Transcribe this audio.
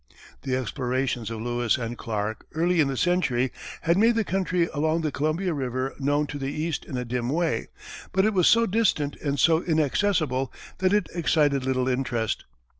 The explorations of Lewis and Clark, early in the century, had made the country along the Columbia river known to the East in a dim way, but it was so distant and so inaccessible that it excited little interest.